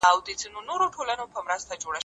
کافي خوب تښتوي.